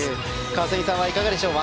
川澄さんは、いかがでしょう。